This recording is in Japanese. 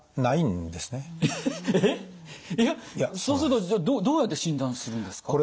そうするとどうやって診断するんですか？